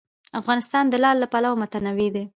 افغانستان د لعل له پلوه متنوع دی.